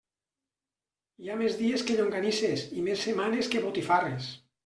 Hi ha més dies que llonganisses i més setmanes que botifarres.